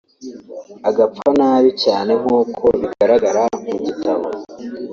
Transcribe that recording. agapfa nabi cyane nk’uko bigaragara mu gitabo